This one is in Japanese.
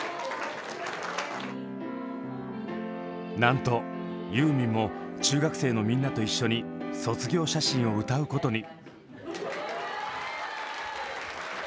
なんとユーミンも中学生のみんなと一緒に「卒業写真」を歌うことに。